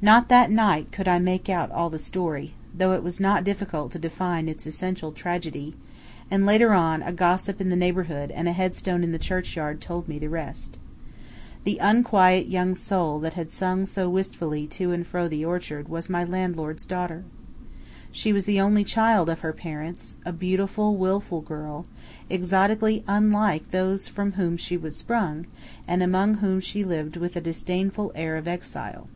Not that night could I make out all the story, though it was not difficult to define its essential tragedy, and later on a gossip in the neighborhood and a headstone in the churchyard told me the rest. The unquiet young soul that had sung so wistfully to and fro the orchard was my landlord's daughter. She was the only child of her parents, a beautiful, willful girl, exotically unlike those from whom she was sprung and among whom she lived with a disdainful air of exile.